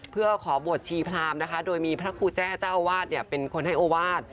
เพื่อขอบวชชีพรามนะคะโดยมีพระครูแจ้เจ้าอาวาสเนี่ยเป็นคนให้โอวาส